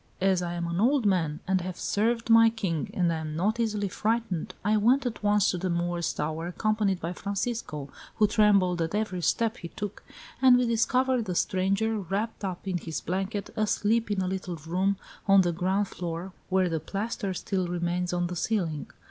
As I am an old man and have served my king and am not easily frightened, I went at once to the Moor's Tower, accompanied by Francisco, who trembled at every step he took, and we discovered the stranger, wrapped up in his blanket, asleep in a little room on the ground floor where the plaster still remains on the ceiling.